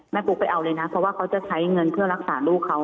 ปุ๊กไปเอาเลยนะเพราะว่าเขาจะใช้เงินเพื่อรักษาลูกเขา